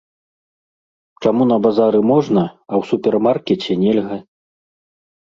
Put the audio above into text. Чаму на базары можна, а ў супермаркеце нельга?